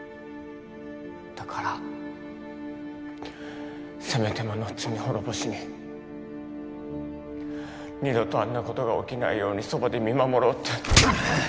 だからせめてもの罪滅ぼしに二度とあんなことが起きないようにそばで見守ろうって。うっ！